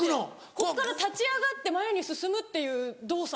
ここから立ち上がって前に進むっていう動作。